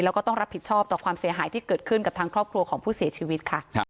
แล้วก็ต้องรับผิดชอบต่อความเสียหายที่เกิดขึ้นกับทางครอบครัวของผู้เสียชีวิตค่ะ